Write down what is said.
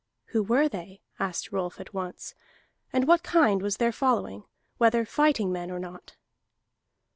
"Who were they?" asked Rolf at once, "and what kind was their following, whether fighting men or not?"